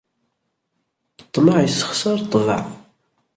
Ṭṭmeε issexṣar ṭṭbaε.